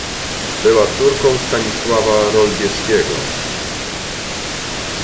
Była córką Stanisława Rolbieskiego.